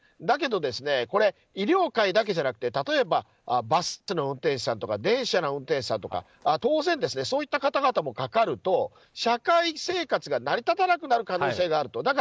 だけど、医療界だけじゃなくて例えば、バスの運転手さんとか電車の運転士さんとか。当然、そういった方々もかかると社会生活が成り立たなくなる可能性があると。